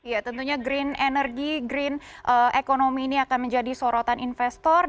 ya tentunya green energy green economy ini akan menjadi sorotan investor